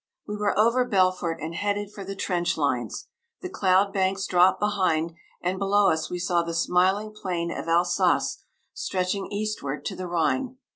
We were over Belfort and headed for the trench lines. The cloud banks dropped behind, and below us we saw the smiling plain of Alsace stretching eastward to the Rhine.